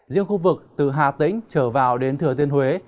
riêng khu vực từ hà tĩnh trở vào đến thừa thiên huế